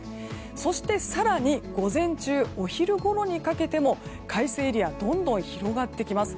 そして、更に午前中、お昼ごろにかけても快晴エリアがどんどん広がってきます。